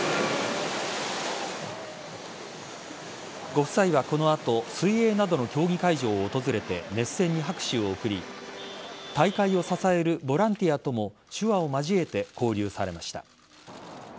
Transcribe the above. ご夫妻はこの後水泳などの競技会場を訪れて熱戦に拍手を送り大会を支えるボランティアとも手話を交えて交流されました。